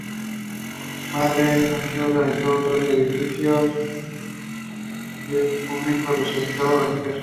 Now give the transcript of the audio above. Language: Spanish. Más tarde, Muzio realizó otros edificios, de uso público, residencial o religioso.